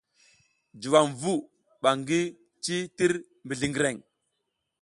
Juwam vu ɓa ngi ci tir mizliŋgreŋ.